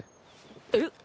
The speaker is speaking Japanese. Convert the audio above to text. えっ？